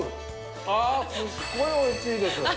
ああ、すっごいおいしいです。